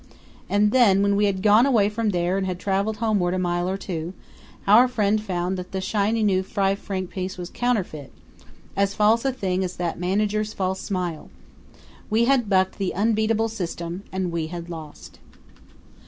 And then, when we had gone away from there and had traveled a homeward mile or two, our friend found that the new shiny five franc piece was counterfeit as false a thing as that manager's false smile. We had bucked the unbeatable system, and we had lost.